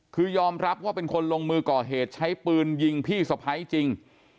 คือยอมรับว่าเป็นคนลงมือก่อเหตุใช้ปืนยิงพี่สะพ้ายจริง